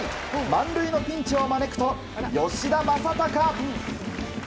満塁のピンチを招くと、吉田正尚。